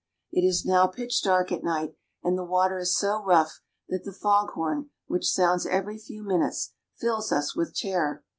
It is now pitch dark at night, and the water is so rough that the fog horn which sounds every few minutes fills us with terror.